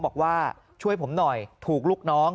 บอกว่าช่วยผมหน่อยถูกลูกน้อง